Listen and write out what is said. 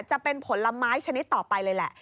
จะเป็นผลไม้ชนิดต่อไปเลยแหละ